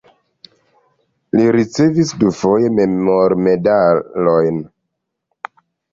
Li ricevis dufoje memormedalojn.